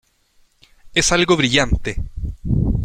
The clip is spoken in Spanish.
Es algo brillante.